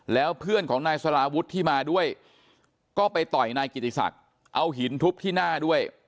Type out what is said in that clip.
แล้วเพื่อนของนายสลาวุฒิที่มาด้วยก็ไปต่อยนายกิติศักดิ์เอาหินทุบที่หน้าด้วย